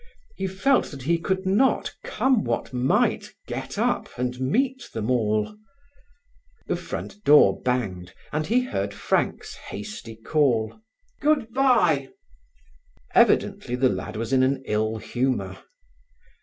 He felt that he could not, come what might, get up and meet them all. The front door banged, and he heard Frank's hasty call: "Good bye!" Evidently the lad was in an ill humour.